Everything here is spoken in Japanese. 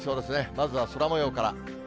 まずは空もようから。